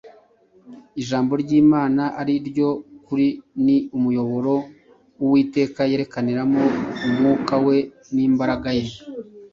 ijambo ry’imana ari ryo “kuri” ni umuyoboro uwiteka yerekaniramo mwuka we n’imbaraga ye.